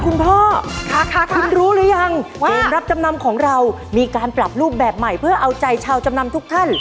คุณพ่อคุณรู้หรือยังว่าเกมรับจำนำของเรามีการปรับรูปแบบใหม่เพื่อเอาใจชาวจำนำทุกท่าน